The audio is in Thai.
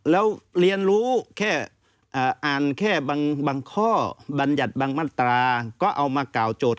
แล้วเรียนรู้แค่อ่านแค่บางข้อบรรยัติบางมาตราก็เอามากล่าวโจทย